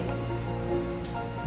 dari pulang kantor tadi